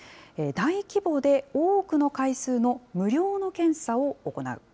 大規模で多くの回数の無料の検査を行う。